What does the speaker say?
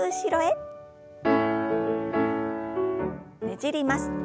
ねじります。